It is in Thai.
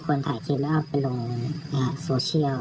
คนถ่ายคลิปแล้วเอาไปลงโซเชียล